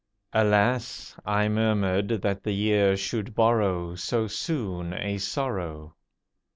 Alas! I murmured, that the Year should borrow So soon a sorrow.